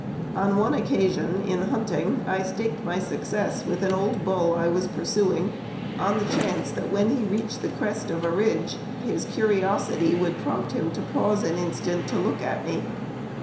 On one occasion in hunting I staked my success with an old bull I was pursuing on the chance that when he reached the crest of a ridge his curiosity would prompt him to pause an instant to look at me.